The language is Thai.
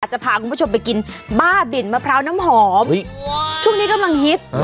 จะพาคุณผู้ชมไปกินบ้าบินมะพร้าวน้ำหอมช่วงนี้กำลังฮิต